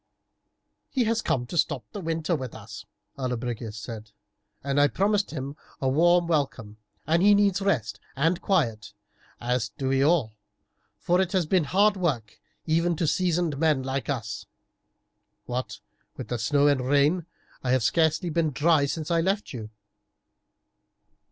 "He has come to stop the winter with us," Allobrigius said. "I promised him a warm welcome, and he needs rest and quiet, as do we all, for it has been hard work even to seasoned men like us. What with snow and rain I have scarcely been dry since I left you."